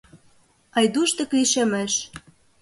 Айдуш дек лишемеш.